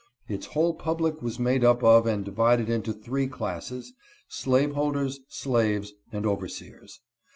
Its whole public was made up of and divided into three classes*7slaveholders, slaves, and overseers.